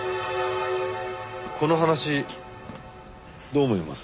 この話どう思います？